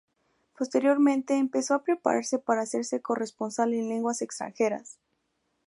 Posteriormente empezó a prepararse para hacerse corresponsal en lenguas extranjeras.